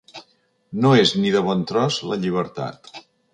No és ni de bon tros la llibertat.